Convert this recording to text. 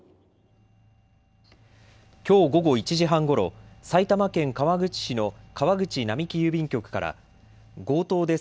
きょう午後１時半ごろ、埼玉県川口市の川口並木郵便局から強盗です。